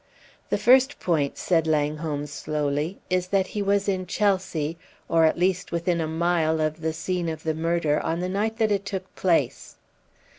"The first point," said Langholm, slowly, "is that he was in Chelsea, or at least within a mile of the scene of the murder, on the night that it took place."